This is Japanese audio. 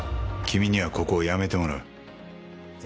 君にはここを辞めてもらう。